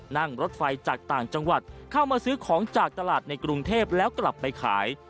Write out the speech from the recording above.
นั่งรถไฟจากต่างจังหวัดเข้ามาซื้อของจากตลาดในกรุงเทพแล้วกลับไปขาย